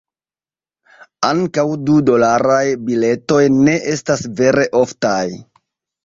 Ankaŭ du-dolaraj biletoj ne estas vere oftaj.